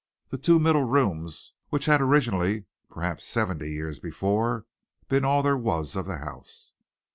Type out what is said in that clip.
The two middle rooms which had originally, perhaps seventy years before, been all there was of the house.